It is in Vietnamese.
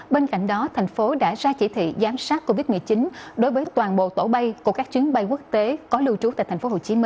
bên cạnh đó thành phố đã ra chỉ thị giám sát covid một mươi chín đối với toàn bộ tổ bay của các chuyến bay quốc tế có lưu trú tại tp hcm